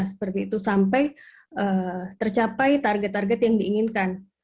seperti itu sampai tercapai target target yang diinginkan